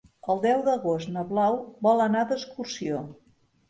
El deu d'agost na Blau vol anar d'excursió.